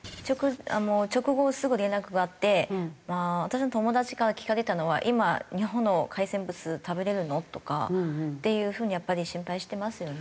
直後すぐ連絡があって私の友達から聞かれたのは「今日本の海産物食べれるの？」とかっていう風にやっぱり心配してますよね。